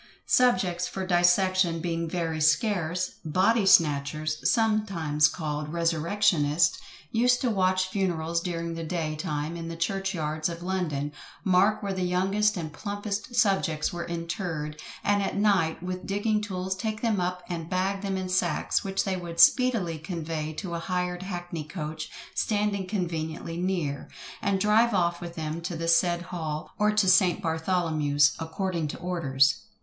Subjects for dissection being very scarce, "BODY SNATCHERS," sometimes called "resurrectionists" used to watch funerals during the day time in the church yards of London, mark where the youngest and plumpest subjects were interred, and at night, with digging tools take them up and bag them in sacks, which they would speedily convey to a hired hackney coach standing conveniently near, and drive off with them to the said hall, or to St. Bartholomew's, according to orders.